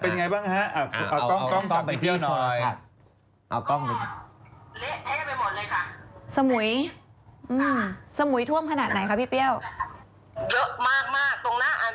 เป็นอย่างไรบ้างฮะเอากล้องจากพี่เปรี้ยวหน่อย